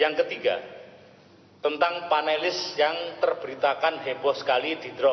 yang ketiga tentang panelis yang terberitakan heboh sekali di drop